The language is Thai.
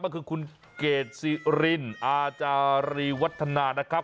ก็คือคุณเกดสิรินอาจารีวัฒนานะครับ